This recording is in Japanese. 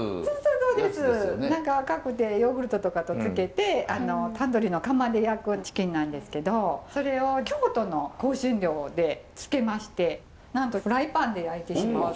赤くてヨーグルトとかと漬けてタンドリーの窯で焼くチキンなんですけどそれを京都の香辛料で漬けましてなんとフライパンで焼いてしまおうと。